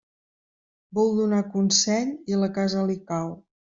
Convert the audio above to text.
Vol donar consell i la casa li cau.